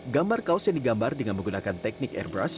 gambar kaos yang digambar dengan menggunakan teknik airbrush